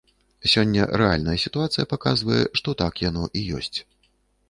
Сёння рэальная сітуацыя паказвае, што так яно і ёсць.